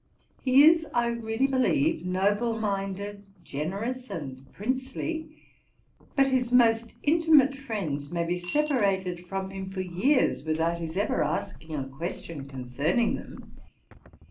He is, I really believe, noble minded, generous, and princely. But his most intimate friends may be separated from him for years, without his ever asking a question concerning them.